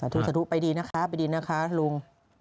สัตว์ทูไปดีนะคะไปดีนะคะลุง